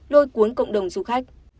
lôi cuốn cộng đồng du khách